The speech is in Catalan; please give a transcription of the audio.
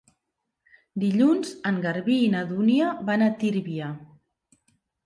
Dilluns en Garbí i na Dúnia van a Tírvia.